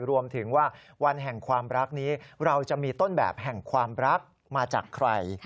รวมถึงว่าวันแห่งความรักนี้เราจะมีต้นแบบแห่งความรักมาจากใคร